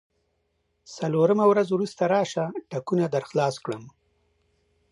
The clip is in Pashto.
څلورمه ورځ وروسته راشه، ټکونه درخلاص کړم.